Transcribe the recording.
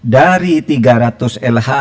dari tiga ratus lh